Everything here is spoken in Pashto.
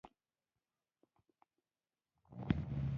ځینې افراد په ټولنه کې ګډوډي خپروي ترڅو خپلې موخې ترلاسه کړي.